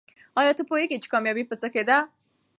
آیا ته پوهېږې چې کامیابي په څه کې ده؟